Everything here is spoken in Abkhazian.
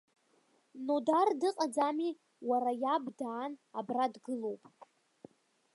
Нодар дыҟаӡами, уара, иаб даан абра дгылоуп.